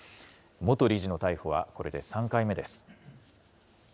元理事の逮捕はこれで３回目です。